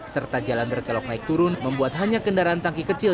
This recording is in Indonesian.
serta jalan berkelok naik turun membuat hanya kendaraan tangki kecil